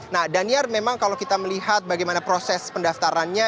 nah daniar memang kalau kita melihat bagaimana proses pendaftarannya